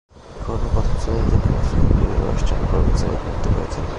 ঘরোয়া প্রথম-শ্রেণীর দক্ষিণ আফ্রিকান ক্রিকেটে ওয়েস্টার্ন প্রভিন্সের প্রতিনিধিত্ব করেছেন।